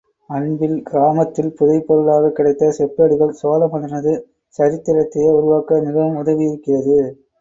அன்பில் கிராமத்தில் புதை பொருளாகக் கிடைத்த செப்பேடுகள் சோழ மன்னனது சரித்திரத்தையே உருவாக்க மிகவும் உதவியிருக்கிறது.